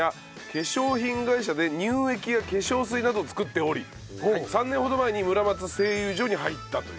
化粧品会社で乳液や化粧水などを作っており３年ほど前に村松製油所に入ったという。